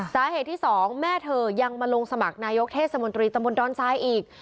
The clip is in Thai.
สาเหตุที่สองแม่เธอยังมาลงสมัครนายกเทศมนตรีตำบลดอนทรายอีก